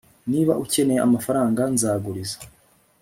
niba ukeneye amafaranga, nzaguriza